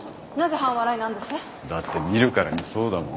だって見るからにそうだもん。